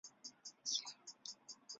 坑底表面崎岖不平。